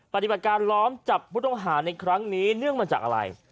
ปฏิบัติการล้อมจับผู้ต้องหาในครั้งนี้เนื่องมาจากอะไร